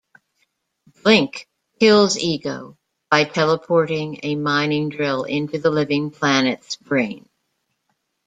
Blink kills Ego by teleporting a mining drill into the Living Planet's brain.